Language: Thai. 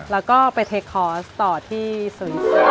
แล้วก็ไปเทคคอร์สต่อที่ศูนย์